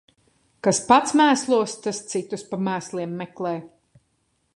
Kas pats mēslos, tas citus pa mēsliem meklē.